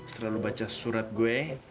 setelah lu baca surat gue